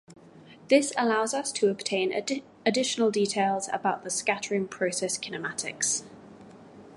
This allows us to obtain additional details about the scattering process kinematics.